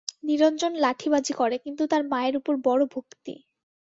নিরঞ্জন লাঠিবাজি করে, কিন্তু তার মায়ের উপর বড় ভক্তি।